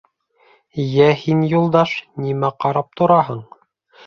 — Йә, һин, Юлдаш, нимә ҡарап тораһың?